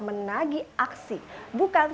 menagi aksi bukan